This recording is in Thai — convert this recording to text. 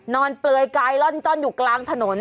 นอนเปลยไกลล่อนจ้อนอยู่กลางถนน